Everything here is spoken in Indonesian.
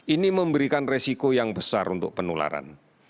ini memberikan resiko yang besar untuk penularan